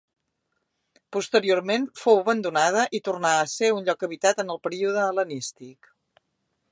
Posteriorment fou abandonada i tornà a ser un lloc habitat en el període hel·lenístic.